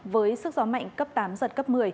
với sức gió mạnh cấp tám giật cấp một mươi